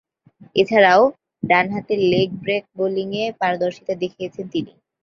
এছাড়াও, ডানহাতে লেগ-ব্রেক বোলিংয়ে পারদর্শীতা দেখিয়েছেন তিনি।